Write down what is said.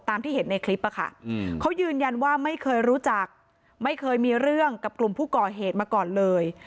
ที่เห็นในคลิปเขายืนยันว่าไม่เคยรู้จักไม่เคยมีเรื่องกับกลุ่มผู้ก่อเหตุมาก่อนเลย